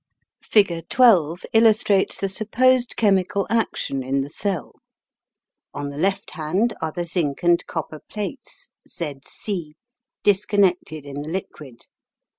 Figure 12 illustrates the supposed chemical action in the cell. On the left hand are the zinc and copper plates (Z C) disconnected in the liquid.